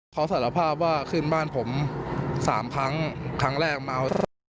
เขาสารภาพว่าขึ้นบ้านผม๓ครั้งครั้งแรกเมา